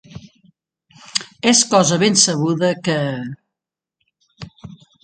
És cosa ben sabuda que...